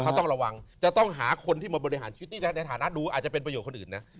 เขาต้องระวังจะต้องหาคนที่มาบริหารชีวิตนี่ในฐานะดูอาจจะเป็นประโยชน์คนอื่นนะ